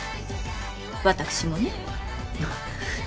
私もね。